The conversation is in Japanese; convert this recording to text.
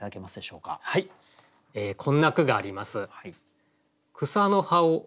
こんな句があります。